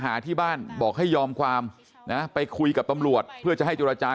หาที่บ้านบอกให้ยอมความนะไปคุยกับตำรวจเพื่อจะให้จุรจา